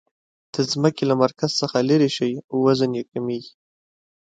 د ځمکې له مرکز څخه لیرې شئ وزن یي کمیږي.